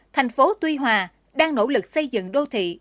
thành phố tuy hòa đang nỗ lực xây dựng đô thị